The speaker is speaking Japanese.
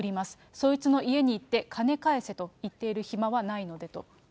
そいつの家に行って、金返せと言っている暇はないのでと。